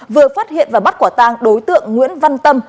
vừa phát hiện và bắt quả tang đối tượng nguyễn văn tâm